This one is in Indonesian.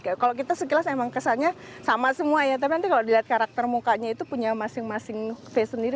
kalau kita sekilas emang kesannya sama semua ya tapi nanti kalau dilihat karakter mukanya itu punya masing masing face sendiri